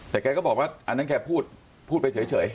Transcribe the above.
แต่แกก็บอกว่าอันนั้นแกพูดไปเฉย